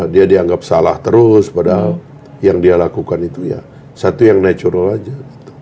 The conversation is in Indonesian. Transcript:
dia dianggap salah terus padahal yang dia lakukan itu ya satu yang natural aja